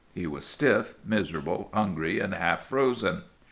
He was stiff, miserable, hungry, and half frozen.